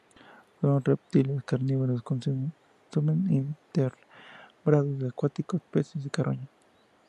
Son reptiles carnívoros, consumen invertebrados acuáticos, peces y carroña.